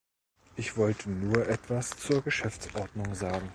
Ich wollte nur etwas zur Geschäftsordnung sagen.